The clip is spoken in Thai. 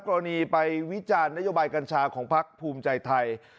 กรณีไปวิจารณ์นโยบายกัญชาของพักภูมิใจไทย